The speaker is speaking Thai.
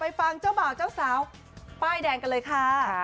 ฟังเจ้าบ่าวเจ้าสาวป้ายแดงกันเลยค่ะ